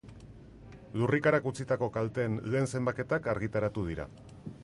Lurrikarak utzitako kalteen lehen zenbaketak argitaratu dira.